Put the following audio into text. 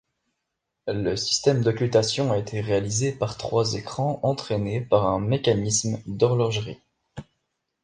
Le système d'occultation a été réalisé par trois écrans entraînés par un mécanisme d'horlogerie.